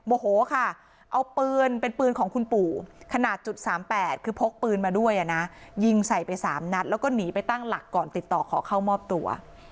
โหค่ะเอาปืนเป็นปืนของคุณปู่ขนาดจุด๓๘คือพกปืนมาด้วยนะยิงใส่ไป๓นัดแล้วก็หนีไปตั้งหลักก่อนติดต่อขอเข้ามอบตัว